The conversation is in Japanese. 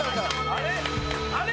あれ？